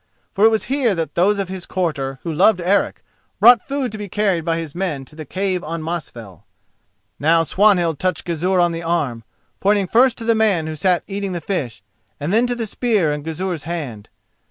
For it was here that those of his quarter who loved Eric brought food to be carried by his men to the cave on Mosfell. Now Swanhild touched Gizur on the arm, pointing first to the man who sat eating the fish and then to the spear in Gizur's hand.